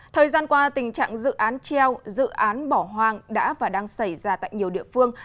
thời gian qua tình trạng dự án treo dự án bỏ hoang đã và đang xảy ra tại nhiều địa phương